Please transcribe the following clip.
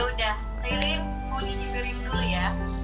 mau diji dirim dulu ya